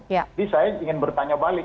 saya ingin bertanya balik